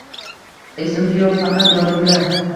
Esimda yoʻq, faqat yodimda: